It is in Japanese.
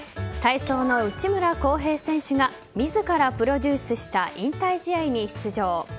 体操の内村航平選手が自らプロデュースした引退試合に出場。